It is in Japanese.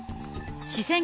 視線